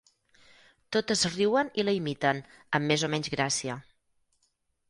Totes riuen i la imiten, amb més o menys gràcia.